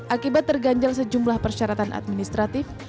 akibat terganjal sejumlah persyaratan administratif